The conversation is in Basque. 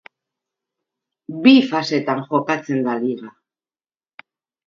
Bi fasetan jokatzen da liga.